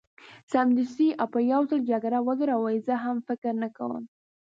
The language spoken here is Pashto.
سمدستي او په یو ځل جګړه ودروي، زه هم فکر نه کوم.